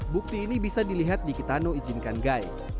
bukti ini bisa dilihat di kitano izinkan gai